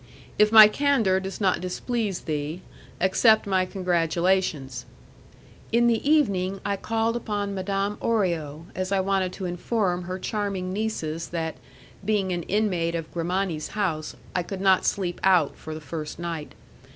If my candour does not displease thee, accept my congratulations. In the evening I called upon Madame Orio, as I wanted to inform her charming nieces that, being an inmate of Grimani's house, I could not sleep out for the first night.